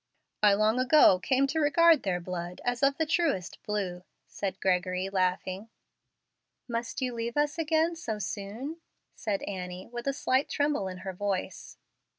"I long ago came to regard their blood as of the truest blue," said Gregory, laughing. "Must you leave us again so soon?" said Annie, with a slight tremble in her voice.